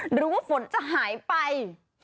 หรือว่าฝนจะหายไป